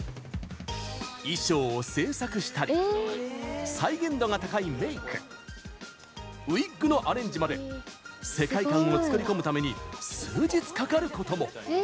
衣装を制作したり再現度が高いメイクウィッグのアレンジまで世界観を作り込むために数日かかることも。